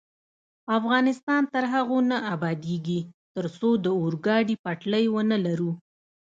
افغانستان تر هغو نه ابادیږي، ترڅو د اورګاډي پټلۍ ونلرو.